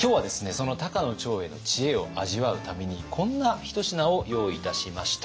その高野長英の知恵を味わうためにこんな一品を用意いたしました。